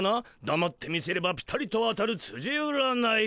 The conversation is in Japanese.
だまって見せればピタリと当たるつじ占い。